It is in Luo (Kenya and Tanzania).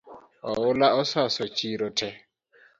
Oula osaso chiro tee